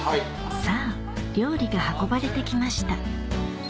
さぁ料理が運ばれて来ました